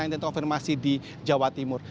terkonfirmasi di jawa timur